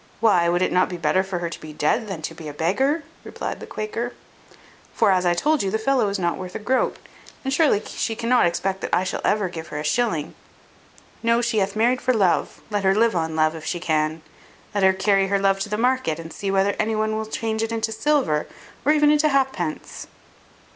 "Why, would it not be better for her to be dead, than to be a beggar?" replied the Quaker: "for, as I told you, the fellow is not worth a groat; and surely she cannot expect that I shall ever give her a shilling. No, as she hath married for love, let her live on love if she can; let her carry her love to market, and see whether any one will change it into silver, or even into halfpence."